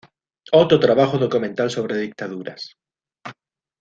Otro trabajo documental sobre dictaduras.